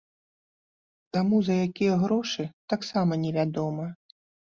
Таму, за якія грошы, таксама не вядома.